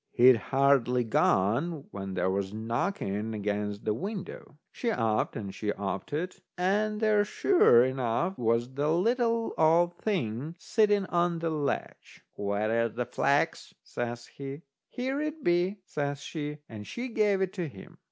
He'd hardly gone, when there was a knocking against the window. She upped and she oped it, and there sure enough was the little old thing sitting on the ledge. "Where's the flax?" says he. "Here it be," says she. And she gave it to him.